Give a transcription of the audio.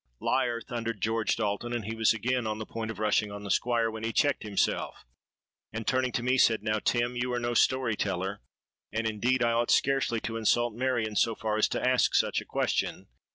'—'Liar!' thundered George Dalton; and he was again on the point of rushing on the Squire, when he checked himself, and turning to me said, 'Now, Tim, you are no story teller; and, indeed, I ought scarcely to insult Marion so far as to ask such a question.